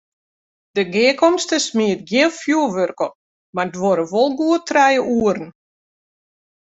De gearkomste smiet gjin fjoerwurk op, mar duorre wol goed trije oeren.